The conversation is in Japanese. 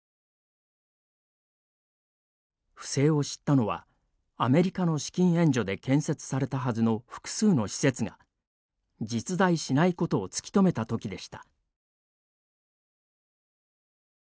不正を知ったのは、アメリカの資金援助で建設されたはずの複数の施設が実在しないことを突き止めたときでした。